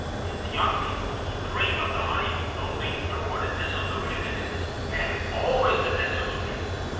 If the young people who dream of the honeymoon only knew what a disillusion it is, and always a disillusion!